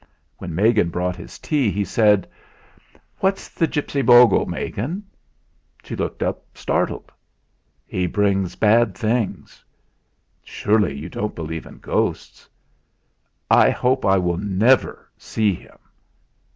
When Megan brought his tea, he said: "What's the gipsy bogle, Megan?" She looked up, startled. "He brings bad things." "Surely you don't believe in ghosts?" "I hope I will never see him."